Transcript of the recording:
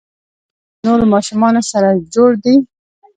ایا له نورو ماشومانو سره جوړ دي؟